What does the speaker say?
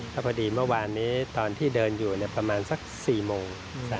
แล้วพอดีเมื่อวานนี้ตอนที่เดินอยู่ประมาณสัก๔โมง